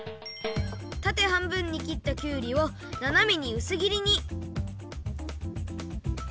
たてはんぶんにきったきゅうりをななめにうすぎりに。